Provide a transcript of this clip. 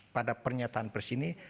pada pernyataan persini